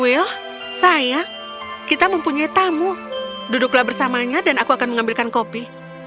will sayang kita mempunyai tamu duduklah bersamanya dan aku akan mengambilkan kopi